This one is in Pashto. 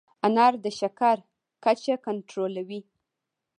انار د شکر کچه کنټرولوي.